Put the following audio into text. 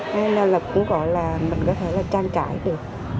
nên là cũng gọi là mình có thể là trang trải được